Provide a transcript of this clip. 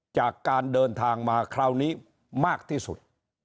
จากการเดินทางมาคราวนี้มากที่สุด